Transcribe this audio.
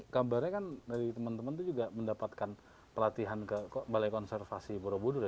kabarnya kan dari teman teman itu juga mendapatkan pelatihan ke balai konservasi borobudur ya